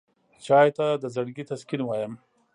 چای ته د زړګي تسکین وایم.